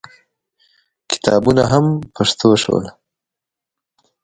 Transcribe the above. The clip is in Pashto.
کتابونه هم په پښتو شول.